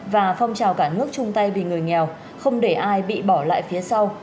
và phong trào cả nước chung tay vì người nghèo không để ai bị bỏ lại phía sau